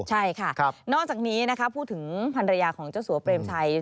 ใช่ค่ะนอกจากนี้นะคะพูดถึงภรรยาของเจ้าสัวเปรมชัย